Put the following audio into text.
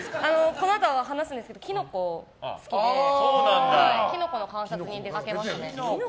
このあと話すんですけどキノコが好きでキノコの観察に出かけますね。